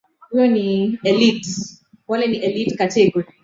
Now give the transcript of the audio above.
Nguo ile inapendeza.